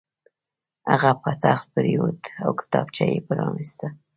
هغه په تخت پرېوت او کتابچه یې پرانیسته